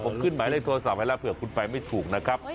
ผมขึ้นหมายเลขโทรศัพท์ไว้แล้วเผื่อคุณไปไม่ถูกนะครับ